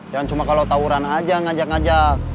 jangan cuma kalau tawuran aja ngajak ngajak